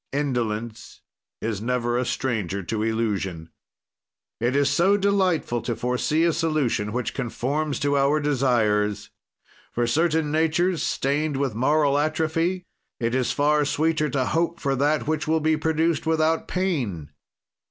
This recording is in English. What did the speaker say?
"Indolence is never a stranger to illusion. "It is so delightful to foresee a solution which conforms to our desires! "For certain natures, stained with moral atrophy, it is far sweeter to hope for that which will be produced without pain.